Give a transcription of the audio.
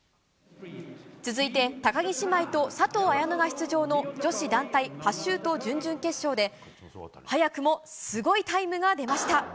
続いて、高木姉妹と佐藤綾乃が出場の女子団体パシュート準々決勝で、早くもすごいタイムが出ました。